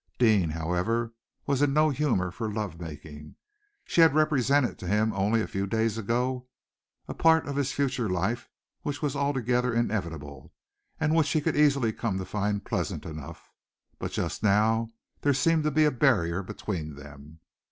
Deane, however, was in no humor for love making. She had represented to him, only a few days ago, a part of his future life which was altogether inevitable, and which he could easily come to find pleasant enough, but just now there seemed to be a barrier between them.